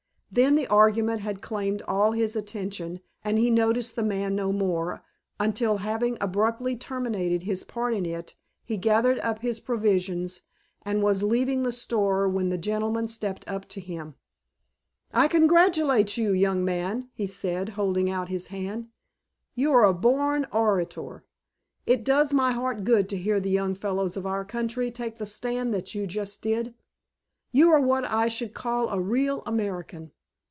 Then the argument had claimed all his attention and he noticed the man no more, until, having abruptly terminated his part in it he gathered up his provisions and was leaving the store when the gentleman stepped up to him. "I congratulate you, young man," he said, holding out his hand. "You are a born orator. It does my heart good to hear the young fellows of our country take the stand that you just did. You are what I should call a real American.